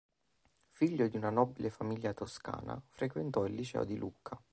Figlio di una nobile famiglia toscana, frequentò il liceo di Lucca.